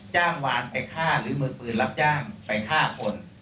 จ้างวานไปฆ่าหรือมือปืนรับจ้างไปฆ่าคน